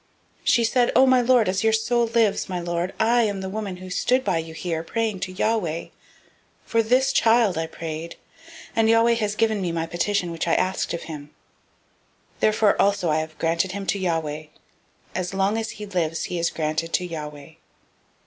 001:026 She said, Oh, my lord, as your soul lives, my lord, I am the woman who stood by you here, praying to Yahweh. 001:027 For this child I prayed; and Yahweh has given me my petition which I asked of him: 001:028 therefore also I have granted him to Yahweh; as long as he lives he is granted to Yahweh.